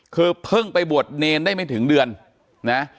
คือเพิ่งไปบวชเนรได้ไม่ถึงเดือนนะ